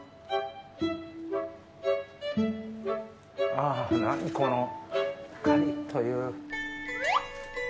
あぁ何このカリっという。